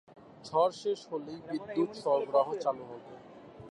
ঝড় শেষ হলেই বিদ্যুৎ সরবরাহ চালু হবে।